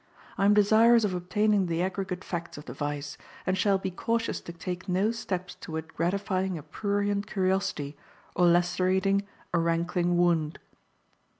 I am desirous of obtaining the aggregate facts of the vice, and shall be cautious to take no steps toward gratifying a prurient curiosity or lacerating a rankling wound.